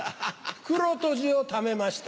袋とじをためました。